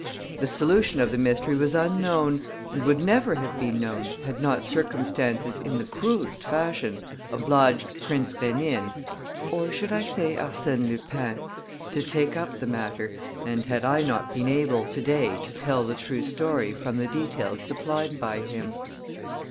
The solution of the mystery was unknown and would never have been known, had not circumstances in the cruellest fashion obliged Prince Rénine or should I say, Arsène Lupin? to take up the matter and had I not been able to day to tell the true story from the details supplied by him.